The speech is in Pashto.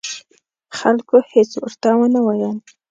خلکو هېڅ ورته ونه ویل.